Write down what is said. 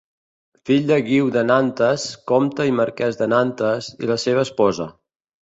Fill de Guiu de Nantes, comte i marquès de Nantes, i la seva esposa.